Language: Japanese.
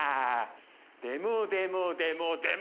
でもでもでもでも。